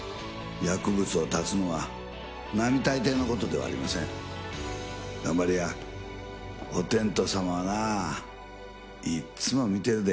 薬物を断つのは並大抵のことではありません頑張りやおてんと様はなあいっつも見てるで